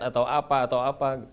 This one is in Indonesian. atau apa atau apa